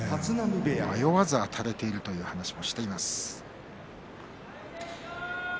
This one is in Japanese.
迷わずあたれているという話をしています。